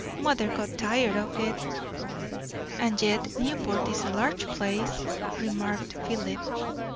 Mother got tired of it." "And yet Newport is a large place," remarked Philip.